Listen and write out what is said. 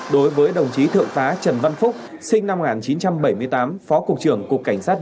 đối với đồng chí thượng tá trần văn phúc sinh năm một nghìn chín trăm bảy mươi tám phó cục trưởng cục cảnh sát